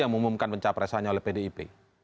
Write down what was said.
yang mengumumkan pencapresannya oleh pdip